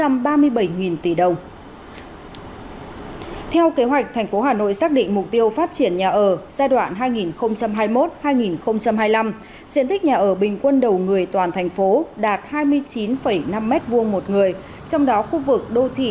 quỹ ban nhân dân tp hà nội vừa phê duyệt kế hoạch phát triển nhà ở tp hà nội giai đoạn hai nghìn hai mươi một hai nghìn hai mươi năm dự kiến tổng nhu cầu vốn để đầu tư xây dựng nhà ở trên địa bàn là khoảng bốn trăm ba mươi tỷ đồng